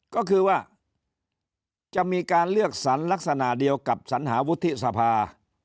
ก็คือว่าจะมีการเลือกสรรลักษณะเดียวกับสัญหาวุฒิสภา